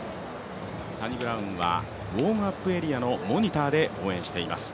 サニブラウンはウォームアップエリアのモニターで応援しています。